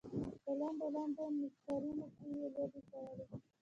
په لنډو لنډو نیکرونو کې یې لوبې کولې.